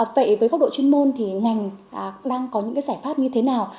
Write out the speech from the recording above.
vậy với góc độ chuyên môn thì ngành đang có những cái giải pháp như thế nào